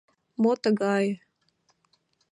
Мо тыгае?»